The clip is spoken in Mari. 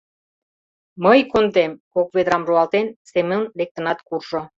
— Мый кондем! — кок ведрам руалтен, Семон лектынат куржо.